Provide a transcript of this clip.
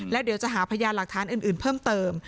และเดี๋ยวจะหาพยานหลักฐานอื่นเพิ่มเติม